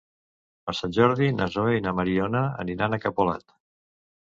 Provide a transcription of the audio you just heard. Per Sant Jordi na Zoè i na Mariona aniran a Capolat.